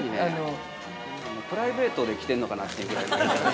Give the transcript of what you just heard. プライベートで来てんのかなというぐらい。